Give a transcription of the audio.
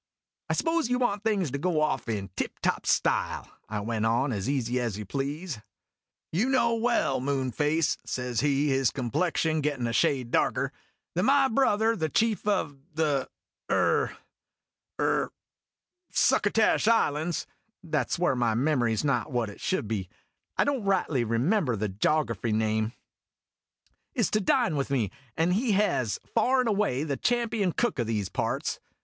o " I s'pose you want things to go off in tip top style?' I went on as easy as you please. "You know well, Moonface," says he, his complexion gettin' a shade darker, "that my brother, the chief of the er er Succo tash Islands " (that 's where my memory 's not what it should be I don't rightly remember the Jography name) " is to dine with me, and he has far and away the champion cook o' these parts.